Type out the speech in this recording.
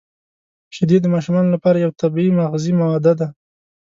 • شیدې د ماشومانو لپاره یو طبیعي مغذي ماده ده.